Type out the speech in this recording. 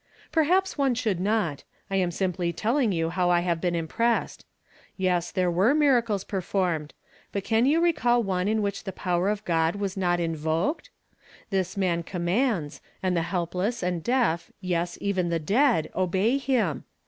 "Perhaps one should not; I am simply telling you how I have been impressed. Yes, there were miracles performed, but can you recall one in which the power of God was not invoked? This man commaiuls ; and the helpless, and deaf, yes, even the dead, obey him.